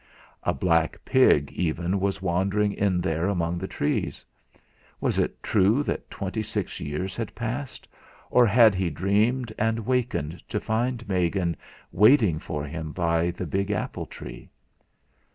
A black pig even was wandering in there among the trees. Was it true that twenty six years had passed, or had he dreamed and awakened to find Megan waiting for him by the big apple tree?